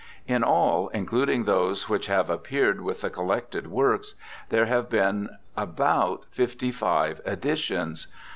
In all, including those which have appeared with the collected works, there have been about fifty five editions.